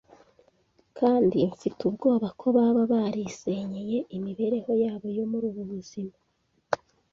kandi mfite ubwoba ko baba barisenyeye imibereho yabo yo muri ubu buzima.